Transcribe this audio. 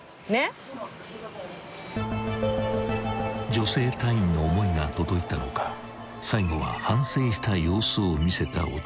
［女性隊員の思いが届いたのか最後は反省した様子を見せた男］